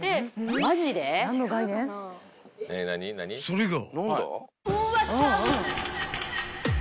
［それが］